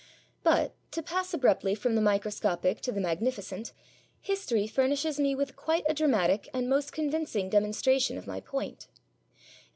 But, to pass abruptly from the microscopic to the magnificent, history furnishes me with a quite dramatic and most convincing demonstration of my point.